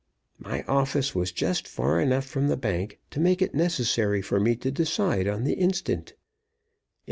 My office was just far enough from the bank to make it necessary for me to decide on the instant.